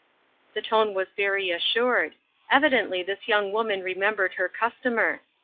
The tone was very assured ; evidently this young woman remembered her customer.